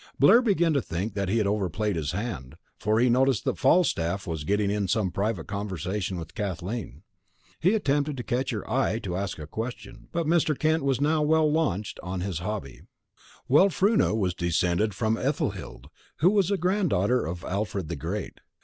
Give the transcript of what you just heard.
Blair began to think that he had overplayed his hand, for he noticed that Falstaff was getting in some private conversation with Kathleen. He attempted to catch her eye to ask a question, but Mr. Kent was now well launched on his hobby. "Wulfruna was descended from Ethelhild, who was a granddaughter of Alfred the Great.